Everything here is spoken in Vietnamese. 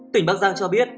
tỉnh bắc giang cho biết